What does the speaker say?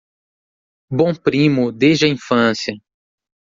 Bom primo desde a infância